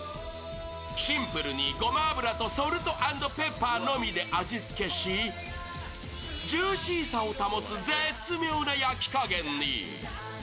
シンプルにごま油とソルト＆ペッパーのみで味付けしジューシーさを保つ、絶妙な焼き加減に。